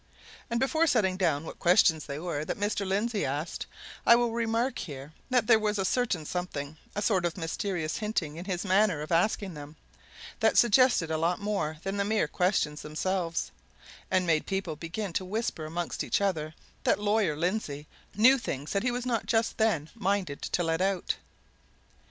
And before setting down what questions they were that Mr. Lindsey asked, I will remark here that there was a certain something, a sort of mysterious hinting in his manner of asking them, that suggested a lot more than the mere questions themselves, and made people begin to whisper amongst each other that Lawyer Lindsey knew things that he was not just then minded to let out.